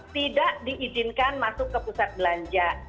tidak diizinkan masuk ke pusat belanja